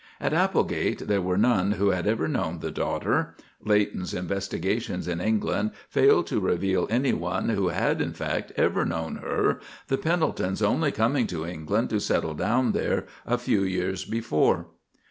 At Applegate there were none who had ever known the daughter. Leighton's investigations in England failed to reveal anyone who had in fact ever known her, the Pendeltons only coming to England to settle down there a few years before.